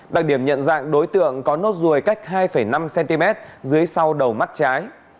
đặc điểm nhận dạng đối tượng có nốt ruồi cách hai năm cm dưới sau đầu mắt trái